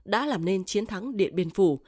đã làm nên chiến thắng điện biên phủ